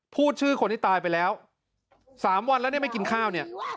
พูดชื่อคนที่ตายไปแล้ว๓วันแล้วเนี่ยไม่กินข้าวเนี่ย